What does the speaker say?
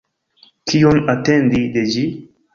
Kion atendi de ĝi?